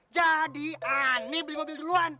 jadi ane beli mobil duluan